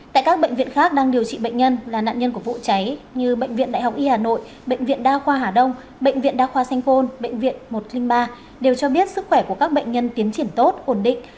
tại các bệnh viện khác đang điều trị bệnh nhân là nạn nhân của vụ cháy như bệnh viện đại học y hà nội bệnh viện đa khoa hà đông bệnh viện đa khoa sanh phôn bệnh viện một trăm linh ba đều cho biết sức khỏe của các bệnh nhân tiến triển tốt ổn định